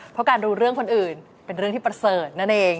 เพราะการรู้เรื่องคนอื่นเป็นเรื่องที่ประเสริฐนั่นเอง